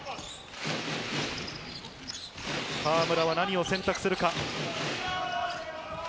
河村は何を選択するか。